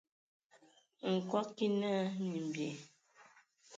Nkɔg kig naa : "Mimbyɛ".